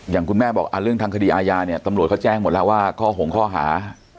อย่างคุณแม่บอกเรื่องข้อคดีอาญาตำรวจเค้าแจ้งหมดแล้วว่าข้อหงข้อหา